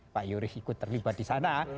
pak yuri ikut terlibat di sana